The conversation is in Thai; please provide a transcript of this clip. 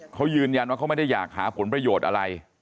เขายืนยันว่าเขาไม่ได้อยากหาผลประโยชน์อะไร